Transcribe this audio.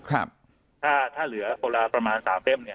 ครับถ้าถ้าเหลือคนละประมาณสามเล่มเนี่ย